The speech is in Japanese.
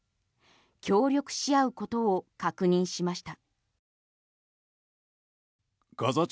協力し合うことを確認しました。